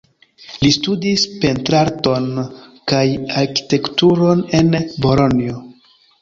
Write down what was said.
Li studis pentrarton kaj arkitekturon en Bolonjo.